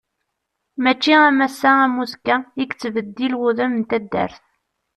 Mačči am ass-a am uzekka i yettbeddil wudem n taddart.